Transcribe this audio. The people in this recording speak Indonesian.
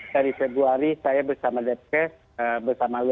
dari februari saya bersama depke bersama lurie